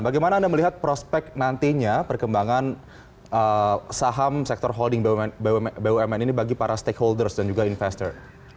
bagaimana anda melihat prospek nantinya perkembangan saham sektor holding bumn ini bagi para stakeholders dan juga investor